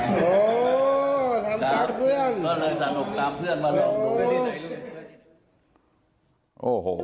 โอ้ทำจากเพื่อนก็เลยสำหรับทำเพื่อนมาหล่อโอ้โห